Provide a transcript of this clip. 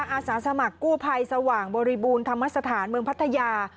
อาสาสมัครกู้ภัยสว่างบริบูรณธรรมสถานเมืองพัทยา